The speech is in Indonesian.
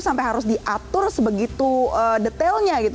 sampai harus diatur sebegitu detailnya gitu